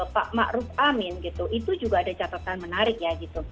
pak ma'ruf amin gitu itu juga ada catatan menariknya gitu